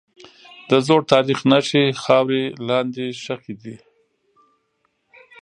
د زوړ تاریخ نښې خاورې لاندې ښخي دي.